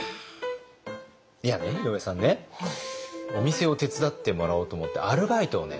いやね井上さんねお店を手伝ってもらおうと思ってアルバイトをね